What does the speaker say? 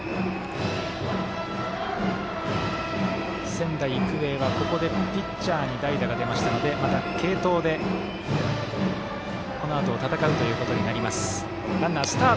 仙台育英は、ここでピッチャーに代打が出ましたのでまた継投で、このあとを戦うということになります。